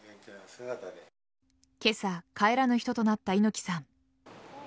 今朝、帰らぬ人となった猪木さん。